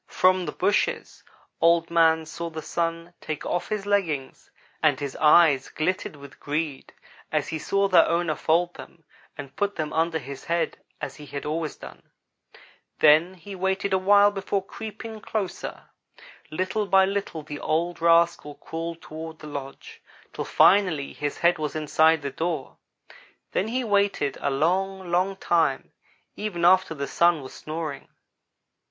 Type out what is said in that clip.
From the bushes Old man saw the Sun take off his leggings and his eyes glittered with greed as he saw their owner fold them and put them under his head as he had always done. Then he waited a while before creeping closer. Little by little the old rascal crawled toward the lodge, till finally his head was inside the door. Then he waited a long, long time, even after the Sun was snoring.